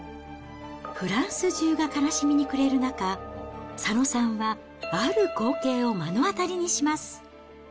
フランス中が悲しみに暮れる中、佐野さんはある光景を目の当たりにします。